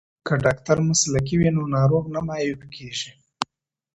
که ډاکټر مسلکی وي نو ناروغ نه معیوب کیږي.